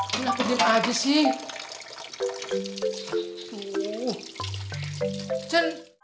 kenapa diam aja sih